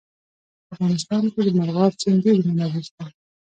په افغانستان کې د مورغاب سیند ډېرې منابع شته.